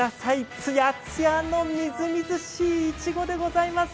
つやつやのみずみずしいいちごでございます。